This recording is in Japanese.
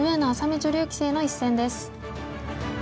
女流棋聖の一戦です。